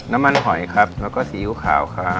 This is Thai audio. น้ำมันหอยครับแล้วก็ซีริยุขาวครับ